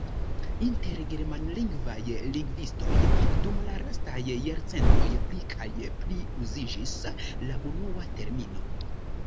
Inter germanlingvaj lingvistoj dum la lastaj jarcentoj pli kaj pli uziĝis la unua termino.